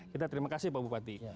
kita terima kasih pak bupati